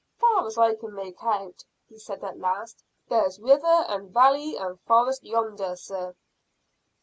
"Far as I can make out," he said at last, "there's river and valley and forest yonder, sir."